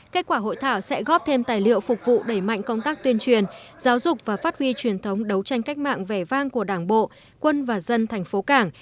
kết quả hội thảo sẽ góp thêm tài liệu phục vụ đẩy mạnh công tác tuyên truyền giáo dục và phát huy truyền thống đấu tranh cách mạng vẻ vang của đảng bộ quân và dân thành phố cảng